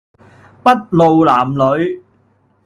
篳路藍縷